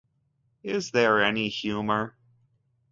Is there any humor?